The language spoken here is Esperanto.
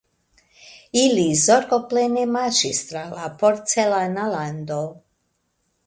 Ili zorgoplene marŝis tra la porcelana lando.